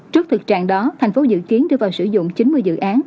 trước thực trạng đó thành phố dự kiến đưa vào sử dụng chín mươi dự án